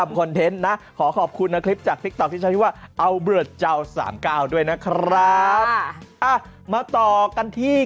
มันต่อกันที่กิจกรรมนี้